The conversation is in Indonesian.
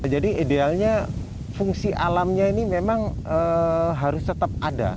jadi idealnya fungsi alamnya ini memang harus tetap ada